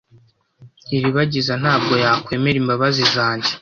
Iribagiza ntabwo yakwemera imbabazi zanjye.